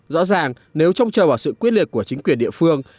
rõ ràng nếu trông chờ vào sự quyết liệt của chính quyền địa phương